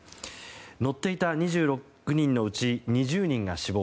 乗っていた２６人のうち２０人が死亡。